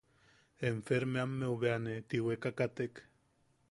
Enfermeammeu bea ne tiweka katek.